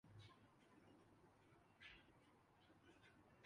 درخت کی اصل بیج میں چھپی ہے۔